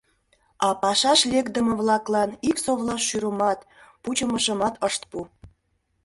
А пашаш лекдыме-влаклан ик совла шӱрымат, пучымышымат ышт пу.